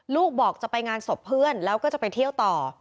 ลูกบอกจะไปงานศพเพื่อนแล้วก็จะไปเที่ยวต่อ